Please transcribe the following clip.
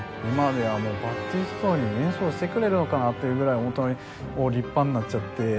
今ではもうバッティストーニ演奏してくれるのかなというぐらい本当に立派になっちゃって。